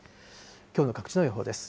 きょうの各地の予報です。